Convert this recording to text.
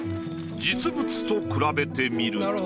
実物と比べてみると。